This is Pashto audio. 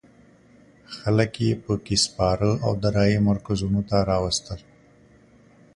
خلک یې په کې سپاره او د رایو مرکزونو ته راوستل.